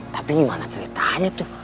tapi gimana ceritanya tuh